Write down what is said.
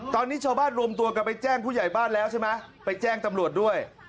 ตอนนี้ชาวบ้านรวมตัวกันไปแจ้งผู้ใหญ่บ้านแล้วใช่ไหมไปแจ้งตำรวจด้วย